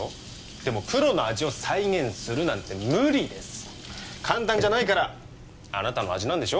でもプロの味を再現するなんて無理です簡単じゃないからあなたの味なんでしょ？